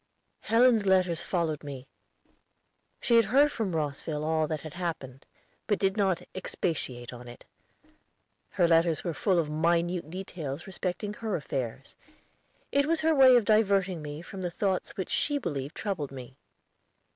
Helen's letters followed me. She had heard from Rosville all that had happened, but did not expatiate on it. Her letters were full of minute details respecting her affairs. It was her way of diverting me from the thoughts which she believed troubled me.